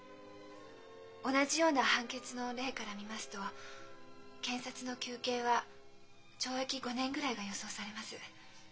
同じような判決の例から見ますと検察の求刑は懲役５年ぐらいが予想されます。